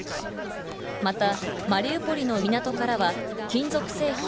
またマリウポリの港からは金属製品